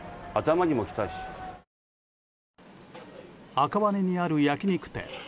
赤羽にある焼き肉店。